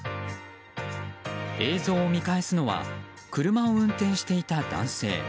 映像を見返すのは車を運転していた男性。